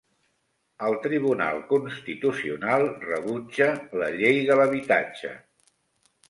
El Tribunal Constitucional rebutja la llei de l'habitatge.